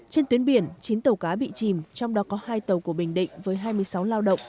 trên tuyến biển chín tàu cá bị chìm trong đó có hai tàu của bình định với hai mươi sáu lao động